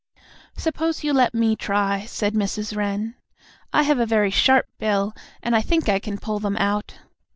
"Suppose you let me try," said Mrs. Wren. "I have a very sharp bill, and I think I can pull them out."